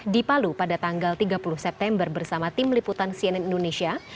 di palu pada tanggal tiga puluh september bersama tim liputan cnn indonesia